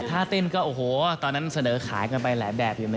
ถ้าเต้นก็โอ้โหตอนนั้นเสนอขายกันไปหลายแบบอยู่เลย